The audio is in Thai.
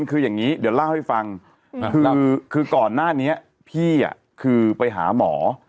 คือก่อนหน้านี้พี่อ่ะคือไปหาหมอ